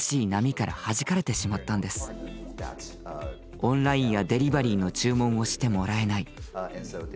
オンラインやデリバリーの注文をしてもらえない。